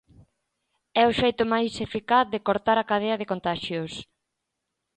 É o xeito máis eficaz de cortar a cadea de contaxios.